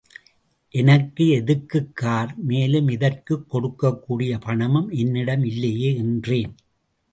எனக்கு எதுக்குக் கார், மேலும் இதற்குக் கொடுக்கக்கூடிய பணமும் என்னிடம் இல்லையே, என்றேன்.